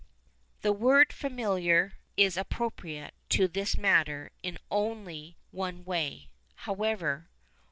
The word familiar is appropriate to this matter in only one way, however.